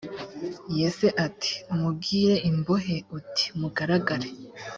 yese ati ubwire imbohe uti mugaragare